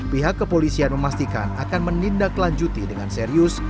pihak kepolisian memastikan akan menindaklanjuti dengan serius